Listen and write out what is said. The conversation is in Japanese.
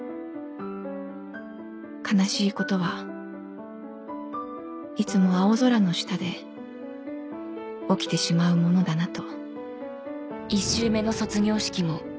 悲しいことはいつも青空の下で起きてしまうものだなと